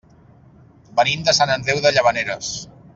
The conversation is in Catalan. Venim de Sant Andreu de Llavaneres.